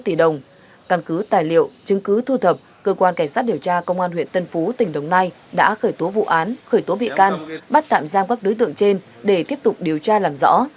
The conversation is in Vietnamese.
trong những thư cứ thu thập cơ quan cảnh sát điều tra công an huyện tân phú tỉnh đồng nai đã khởi tố vụ án khởi tố bị can bắt tạm giam các đối tượng trên để tiếp tục điều tra làm rõ